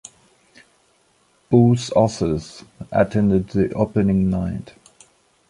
Both authors attended the opening night.